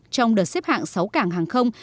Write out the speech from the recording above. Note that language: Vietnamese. trong đợt xếp hạng sáu cảng hàng không